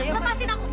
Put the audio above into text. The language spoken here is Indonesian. mama lepasin aku